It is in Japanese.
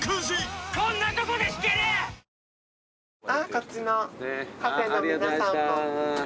こっちのカフェの皆さんも。